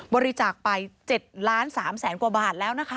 บริจาคไป๗๓๐๐๐๐๐กว่าบาทแล้วนะคะ